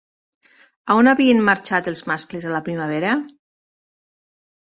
On havien marxat els mascles a la primavera?